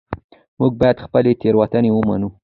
موږ باید خپلې تېروتنې ومنو